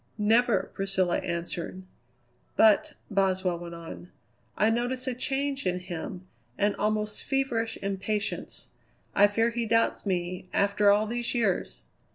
"Never," Priscilla answered. "But," Boswell went on, "I notice a change in him; an almost feverish impatience. I fear he doubts me after all these years!"